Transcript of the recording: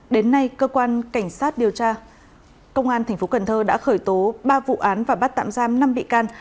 đến nay cơ quan cảnh sát điều tra công an tp cn đã khởi tố ba vụ án và bắt tạm giam năm bị can